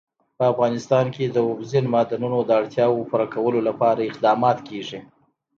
په افغانستان کې د اوبزین معدنونه د اړتیاوو پوره کولو لپاره اقدامات کېږي.